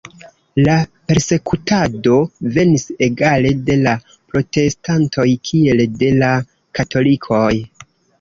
La persekutado venis egale de la protestantoj, kiel de la katolikoj.